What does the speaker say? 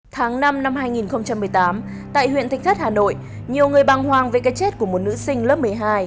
tháng năm năm hai nghìn một mươi tám tại huyện thịnh thất hà nội nhiều người bàng hoàng về cái chết của một nữ sinh lớp một mươi hai